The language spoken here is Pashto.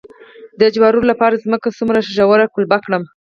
د جوارو لپاره ځمکه څومره ژوره قلبه کړم؟